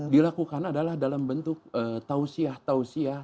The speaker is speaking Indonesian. dilakukan adalah dalam bentuk tausiah tausiah